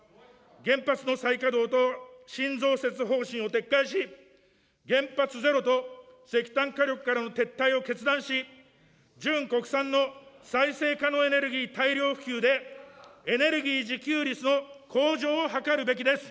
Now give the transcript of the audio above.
原発の再稼働と新増設方針を撤回し、原発ゼロと石炭火力からの撤退を決断し、純国産の再生可能エネルギー大量普及で、エネルギー自給率の向上を図るべきです。